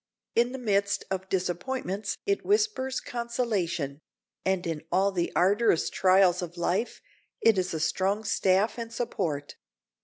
In the midst of disappointments it whispers consolation, and in all the arduous trials of life it is a strong staff and support.